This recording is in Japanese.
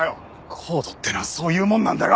ＣＯＤＥってのはそういうもんなんだよ。